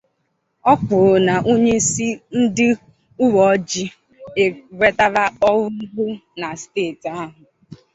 O kwuru na onyeisi ndị uweojii e wetara ọhụrụ na steeti ahụ